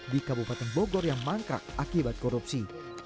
di kabupaten bogor yang mangkrak akibat korupsi